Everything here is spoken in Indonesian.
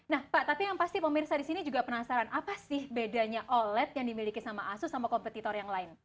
nah pak tapi yang pasti pemirsa di sini juga penasaran apa sih bedanya oled yang dimiliki sama asu sama kompetitor yang lain